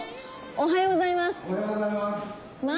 おはようございます。